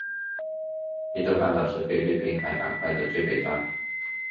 伊豆半岛是菲律宾海板块的最北端。